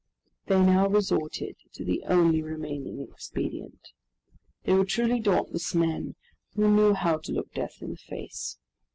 They now resorted to the only remaining expedient. They were truly dauntless men, who knew how to look death in the face.